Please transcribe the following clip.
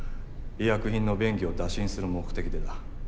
医薬品の便宜を打診する目的でだ。